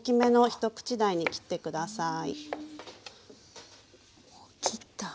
一口大に切って下さい。